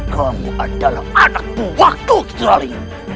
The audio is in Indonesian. kamu adalah anak bu waktu kicurali